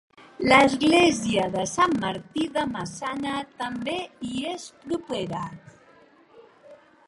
L'església de Sant Martí de Maçana també hi és propera.